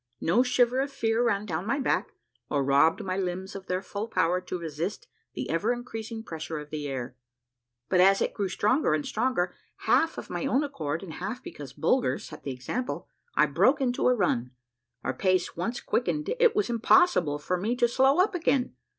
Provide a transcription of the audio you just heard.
No shiver of fear ran down my back, or robbed my limbs of their full power to resist the ever increasing pressure of the air. But as it grew stronger and stronger, half of my own accord and half because Bulger set the example, I broke into a run. Our pace once quickened it was impossible for me to slow up again!